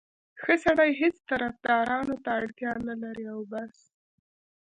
ښه سړی هېڅ طفدارانو ته اړتیا نه لري او بس.